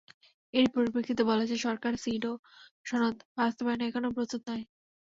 এরই পরিপ্রেক্ষিতে বলা যায়, সরকার সিডও সনদ বাস্তবায়নে এখনো প্রস্তুত নয়।